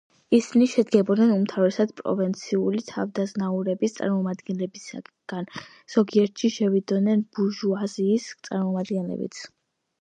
ისინი შედგებოდნენ უმთავრესად პროვინციელი თავადაზნაურობის წარმომადგენლებისაგან, ზოგიერთში შევიდნენ ბურჟუაზიის წარმომადგენლებიც.